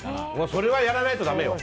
それはやらないとだめよ。